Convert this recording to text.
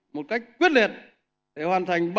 một cách quyết liệt để hoàn thành